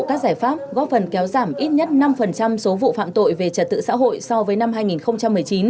các giải pháp góp phần kéo giảm ít nhất năm số vụ phạm tội về trật tự xã hội so với năm hai nghìn một mươi chín